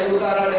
insya allah amin